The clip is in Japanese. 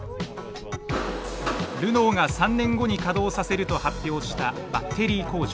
ルノーが３年後に稼働させると発表したバッテリー工場。